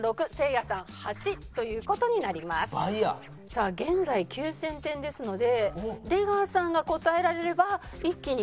さあ現在９０００点ですので出川さんが答えられれば一気に９万点。